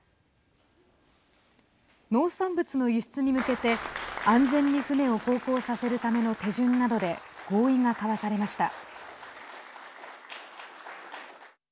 農産物の輸出に向けて安全に船を航行させるための手順などで合意が交わされました。